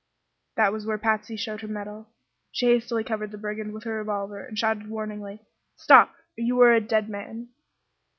That was where Patsy showed her mettle. She hastily covered the brigand with her revolver and shouted warningly: "Stop, or you are a dead man!"